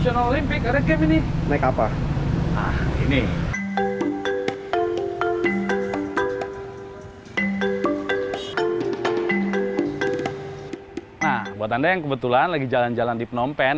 nah buat anda yang kebetulan lagi jalan jalan di phnom penh